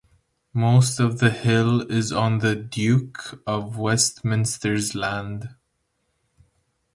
Most of the hill is on the Duke of Westminster's land.